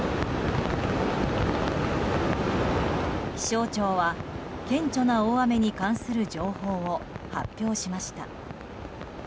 気象庁は顕著な大雨に関する情報を発表しました。